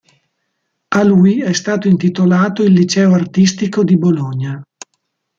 A lui è stato intitolato il liceo artistico di Bologna.